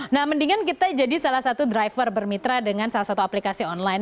nah mendingan kita jadi salah satu driver bermitra dengan salah satu aplikasi online